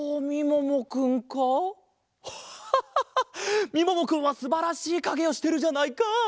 みももくんはすばらしいかげをしてるじゃないか！